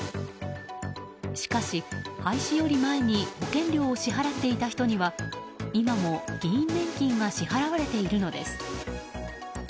しかし、廃止より前に保険料を支払っていた人には今も議員年金が支払われているのです。